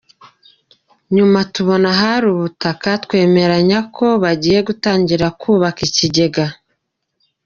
Nyuma tubona ahari ubutaka twemeranya ko bagiye gutangira kubaka ikigega.